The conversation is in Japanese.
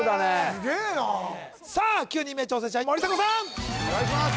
すげえなさあ９人目挑戦者森迫さん・お願いします